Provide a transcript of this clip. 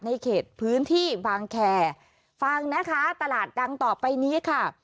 เขตพื้นที่บางแคร์ฟังนะคะตลาดดังต่อไปนี้ค่ะ